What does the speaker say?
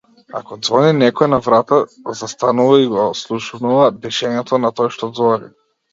Ако ѕвони некој на врата застанува и го ослушнува дишењето на тој што ѕвони.